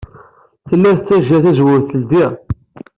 Tella tettajja tazewwut teldey.